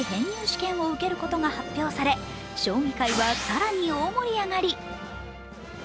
試験を受けることが発表され将棋界は、更に大盛り上がり。